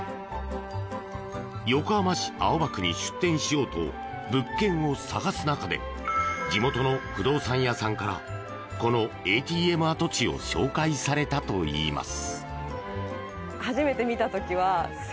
横浜市青葉区に出店しようと物件を探す中で地元の不動産屋さんからこのＡＴＭ跡地を紹介されたといいます。